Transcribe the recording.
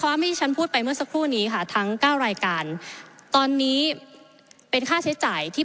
ที่ฉันพูดไปเมื่อสักครู่นี้ค่ะทั้งเก้ารายการตอนนี้เป็นค่าใช้จ่ายที่